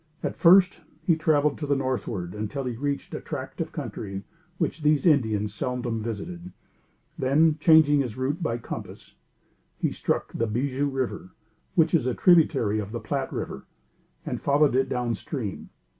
At first, he traveled to the northward, until he reached a tract of country which these Indians seldom visited; then, changing his route by compass, he struck the Bijoux River, which is a tributary of the Platte River, and followed it down stream.